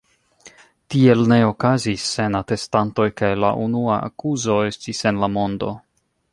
Tiel ne okazis sen atestantoj kaj la unua akuzo estis en la mondo.